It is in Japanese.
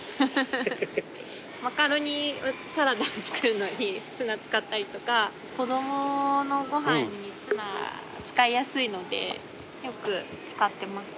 マカロニサラダを作るのにツナ使ったりとか子どものご飯にツナ使いやすいのでよく使ってます。